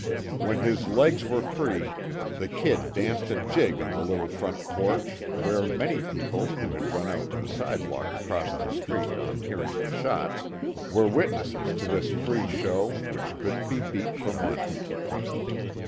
When his legs were free, the "Kid" danced a jig on the little front porch, where many people, who had run out to the sidewalk across the street, on hearing the shots, were witnesses to this free show, which couldn't be beat for money.